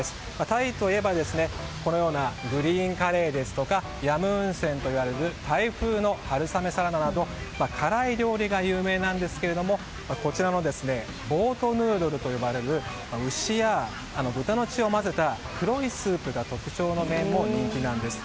タイといえばグリーンカレーですとかヤムウンセンといわれるタイ風の春雨サラダなど辛い料理が有名なんですがこちらのボートヌードルと呼ばれる牛や豚の血を混ぜた黒いスープが特徴の麺も人気なんです。